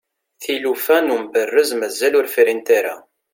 tilufa n umberrez mazal ur frint ara